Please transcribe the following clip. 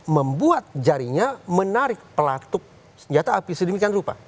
membuat jarinya menarik pelaktuk senjata api sedemikian rupa